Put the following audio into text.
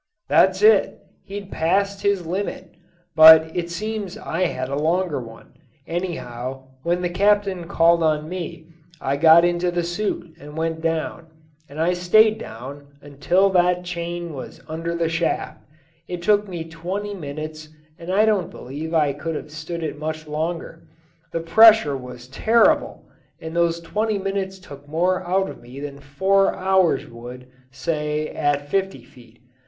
"That's it; he'd passed his limit. But it seems I had a longer one. Anyhow, when the captain called on me, I got into the suit and went down, and I stayed down until that chain was under the shaft. It took me twenty minutes, and I don't believe I could have stood it much longer. The pressure was terrible, and those twenty minutes took more out of me than four hours would, say, at fifty feet.